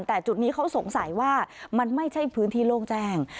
แต่จุดนี้เขาสงสัยว่ามันไม่ใช่พื้นที่โล่งแจ้ง